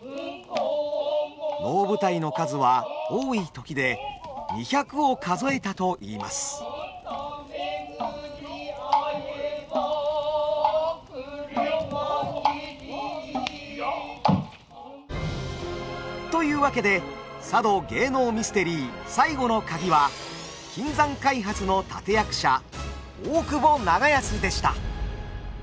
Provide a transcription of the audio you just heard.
能舞台の数は多い時で２００を数えたといいます。というわけで佐渡芸能ミステリー最後のカギは金山開発の立て役者大久保長安でした。